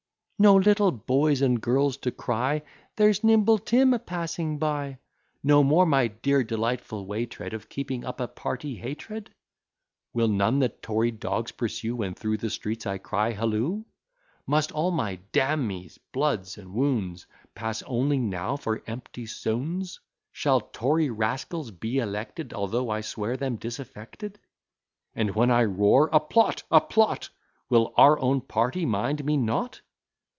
No little boys and girls to cry, "There's nimble Tim a passing by!" No more my dear delightful way tread Of keeping up a party hatred? Will none the Tory dogs pursue, When through the streets I cry halloo? Must all my d n me's! bloods and wounds! Pass only now for empty sounds? Shall Tory rascals be elected, Although I swear them disaffected? And when I roar, "a plot, a plot!" Will our own party mind me not?